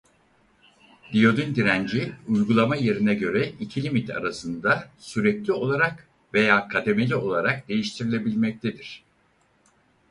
Diyodun direnci uygulama yerine göre iki limit arasında sürekli olarak veya kademeli olarak değiştirilebilmektedir.